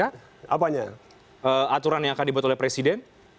apanya aturan yang akan dibuat oleh presiden